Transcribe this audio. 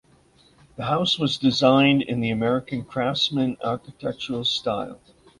The house was designed in the American Craftsman architectural style.